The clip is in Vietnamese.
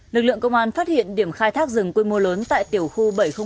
lực lượng công an phát hiện điểm khai thác rừng quy mô lớn tại tiểu khu bảy trăm linh một